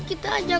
aku mau lihat